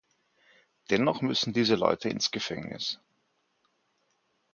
Dennoch müssen diese Leute ins Gefängnis.